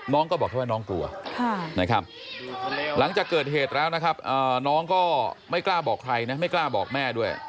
น้องก็บอกแค่ว่าน้องกลัวนะครับหลังจากเกิดเหตุแล้วนะครับน้องก็ไม่กล้าบอกใครนะไม่กล้าบอกแม่ด้วย